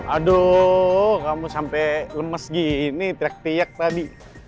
aduh kamu sampai lemes gini ini teriak teriak tadi